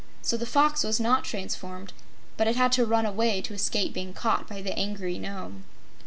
So the Fox was not transformed, but it had to run away to escape being caught by the angry Nome.